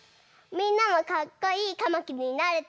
みんなもかっこいいかまきりになれた？